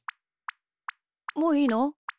もういいの？